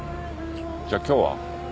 じゃあ今日は？